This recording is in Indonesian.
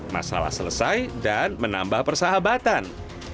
masalah selesai dan menambah persahabatan